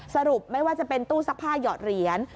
ไม่ว่าจะเป็นตู้ซักผ้าหยอดเหรียญ